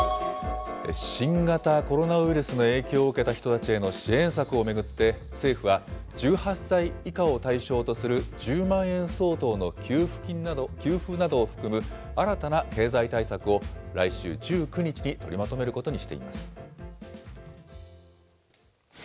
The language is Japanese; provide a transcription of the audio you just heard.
新型コロナウイルスの影響を受けた人たちへの支援策を巡って、政府は１８歳以下を対象とする１０万円相当の給付などを含む新たな経済対策を、来週１９日に取りまとめることにしています。